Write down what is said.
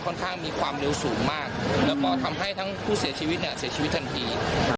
ข้างมีความเร็วสูงมากแล้วก็ทำให้ทั้งผู้เสียชีวิตเนี่ยเสียชีวิตทันที